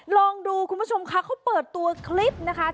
ลองดูคุณผู้ชมค่ะเขาเปิดตัวคลิปนะคะ